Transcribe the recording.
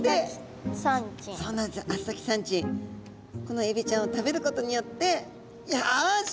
このエビちゃんを食べることによってよし！